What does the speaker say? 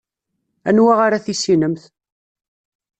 Anwa ara tissinemt?